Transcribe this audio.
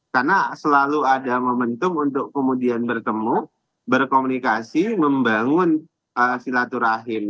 karena selalu ada momentum untuk kemudian bertemu berkomunikasi membangun silaturahim